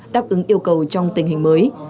đáp ứng yêu cầu trong tình hình mới